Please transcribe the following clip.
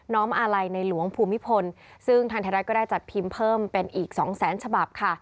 อาลัยในหลวงภูมิพลซึ่งทางไทยรัฐก็ได้จัดพิมพ์เพิ่มเป็นอีกสองแสนฉบับค่ะ